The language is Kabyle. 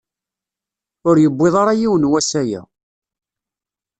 Ur yewwiḍ ara yiwen wass aya.